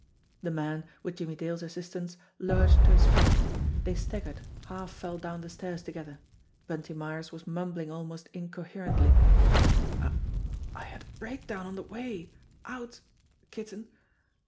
The man, with Jimmie Dale's assistance, lurched to his feet. They staggered, half fell down the stairs together. Bunty Myers was mumbling almost incoherently : "I I had a breakdown on the way out Kitten.